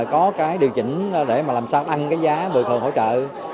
có cái điều chỉnh để mà làm sao tăng cái giá bồi thường hỗ trợ